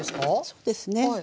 そうですね。